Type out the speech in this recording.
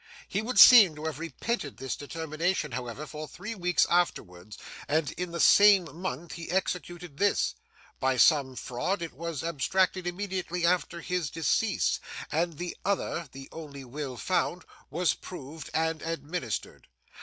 He would seem to have repented this determination, however, for three weeks afterwards, and in the same month, he executed this. By some fraud, it was abstracted immediately after his decease, and the other the only will found was proved and administered.